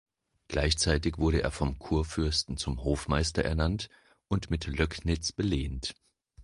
Gleichzeitig wurde er vom Kurfürsten zum Hofmeister ernannt und mit Löcknitz belehnt.